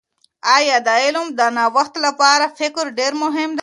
آیا د علم د نوښت لپاره فکر ډېر مهم دي؟